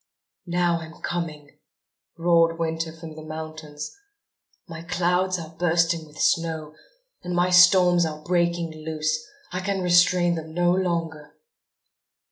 "Now I'm coming," roared Winter from the mountains. "My clouds are bursting with snow; and my storms are breaking loose. I can restrain them no longer."